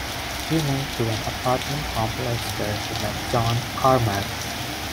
He moved to an apartment complex where he met John Carmack.